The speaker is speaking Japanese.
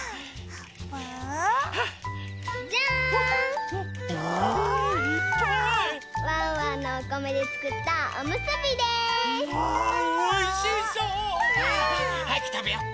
はやくたべよう。